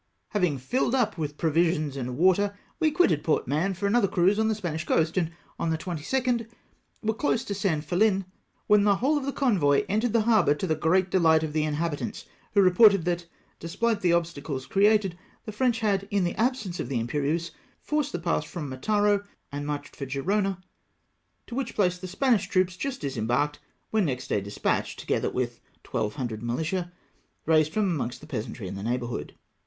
Having filled up with provisions and water, we quitted Port Mahon for another cruise on the Spanish coast, and on the 22 nd were close to San Felin, when the whole of the convoy entered the harbour to the great dehght of the inhabitants, who reported that, despite the obstacles created, the French had, in the absence of the Imperieuse, forced the pass from Mataro, and marched for Gerona, to which place the Spanish troops, just disembarked, were next day despatched, together with 1200 militia, raised from amongst the peasantry in the neighbourhood.